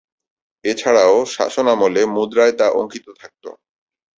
এছাড়াও শাসনামলে মুদ্রায় তা অঙ্কিত থাকত।